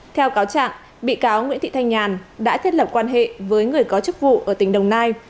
theo cáo trạng bị cáo nguyễn thị thanh nhàn đã thiết lập quan hệ với người có chức vụ ở tỉnh đồng nai